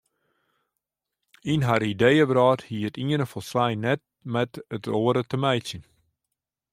Yn har ideeëwrâld hie it iene folslein net met it oare te meitsjen.